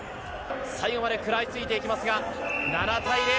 最後まで食らいついていきますが、７対０。